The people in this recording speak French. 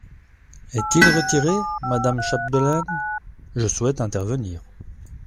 Est-il retiré, madame Chapdelaine ? Je souhaite intervenir.